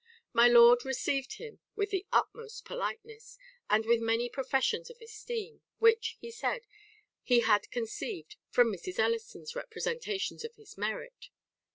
My lord received him with the utmost politeness, and with many professions of esteem, which, he said, he had conceived from Mrs. Ellison's representations of his merit.